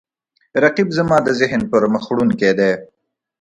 رقیب زما د ذهن پرمخ وړونکی دی